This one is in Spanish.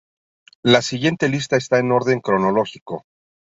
La siguiente lista está en orden cronológico.